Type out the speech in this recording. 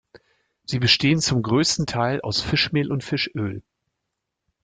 Sie bestehen zum größten Teil aus Fischmehl und Fischöl.